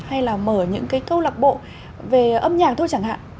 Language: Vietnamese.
hay là mở những cái câu lạc bộ về âm nhạc thôi chẳng hạn